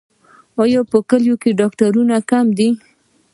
آیا په کلیو کې ډاکټران کم نه دي؟